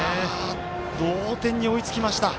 同点に追いつきました。